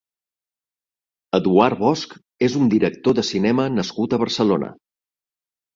Eduard Bosch és un director de cinema nascut a Barcelona.